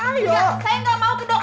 enggak saya gak mau ke dokter